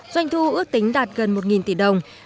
doanh thu ước tính đạt gần một tỷ đồng